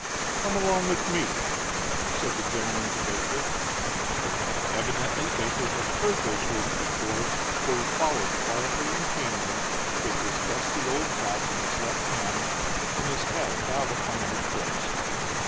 "Come along with me," said the gentleman to Baker. Evidently Baker had heard those words before, for he followed quietly and tamely, with his dusty old hat in his left hand and his head bowed upon his breast.